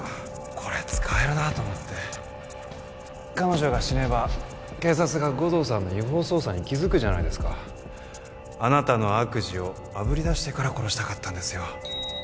これ使えるなと思って彼女が死ねば警察が護道さんの違法捜査に気づくじゃないですかあなたの悪事をあぶり出してから殺したかったんですよ